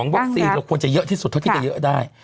วัคซีนเราควรจะเยอะที่สุดเท่าที่จะเยอะได้